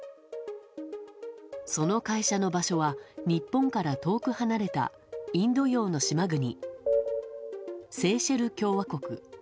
その会社の場所は日本から遠く離れたインド洋の島国セーシェル共和国。